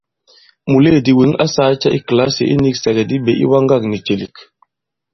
Mùleèdì wěŋ a sāā cɛ i kìlasì iniksɛ̀gɛ̀di ɓě iwaŋgâk nì ìcèlèk ?